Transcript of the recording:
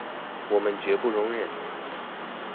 我們絕不容忍